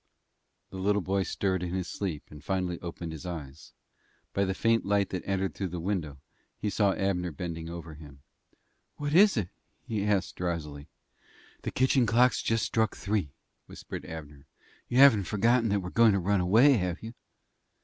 The little boy stirred in his sleep, and finally opened his eyes. By the faint light that entered through the window, he saw Abner bending over him. "What is it?" he asked, drowsily. "The kitchen clock's just struck three," whispered Abner. "You haven't forgotten that we are going to run away, have you?"